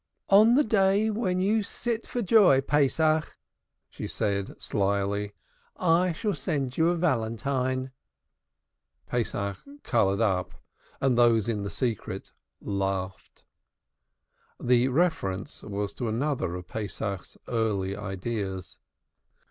"On the day when you sit for joy, Pesach," she said slily. "I shall send you a valentine." Pesach colored up and those in the secret laughed; the reference was to another of Pesach's early ideas.